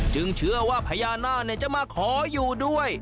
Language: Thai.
เชื่อว่าพญานาคจะมาขออยู่ด้วย